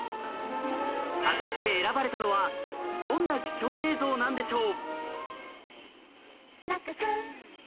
果たして選ばれたのはどんな貴重映像なんでしょう？